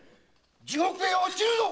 地獄へ堕ちるぞ！